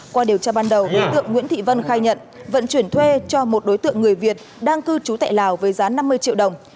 qua điều tra ban đầu đối tượng nguyễn thị vân khai nhận vận chuyển thuê cho một đối tượng người việt đang cư trú tại lào với giá năm mươi triệu đồng